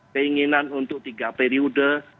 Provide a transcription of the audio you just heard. keinginan untuk tiga periode